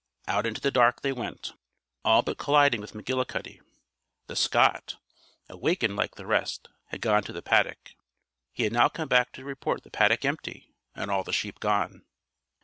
Out into the dark they went, all but colliding with McGillicuddy. The Scot, awakened like the rest, had gone to the paddock. He had now come back to report the paddock empty and all the sheep gone.